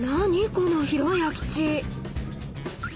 この広い空き地！